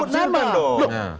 jangan ditapsirkan dong